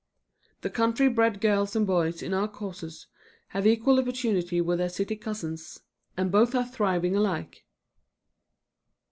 The country bred girls and boys in our courses have equal opportunity with their city cousins, and both are thriving alike.